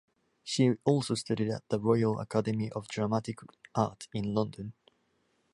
She also studied at the Royal Academy of Dramatic Art in London.